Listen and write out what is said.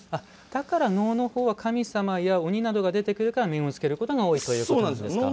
だから、能の方は神様や鬼が出てくるから面をつけることが多いということなんですか。